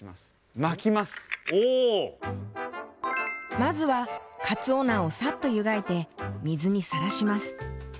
まずはかつお菜をサッとゆがいて水にさらします。